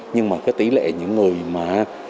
nhưng mà cái tỷ lệ những người mà